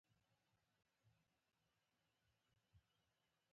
دا جومات ډېر سوړ دی باید ټول یې تود کړو.